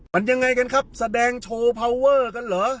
มันยังไงกันครับแสดงโชว์พาวเวอร์กันเหรอ